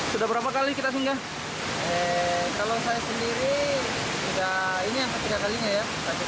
sudah berapa kali kita sunggah kalau saya sendiri sudah ini yang ketiga kalinya ya